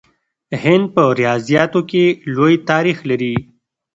هند په ریاضیاتو کې لوی تاریخ لري.